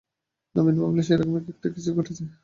নবীন ভাবলে সেই রকমের একটা কিছু ঘটেছে।